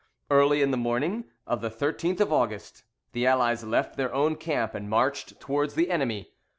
Early in the morning of the 13th of August, the Allies left their own camp and marched towards the enemy.